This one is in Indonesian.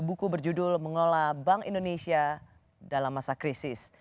buku berjudul mengolah bank indonesia dalam masa krisis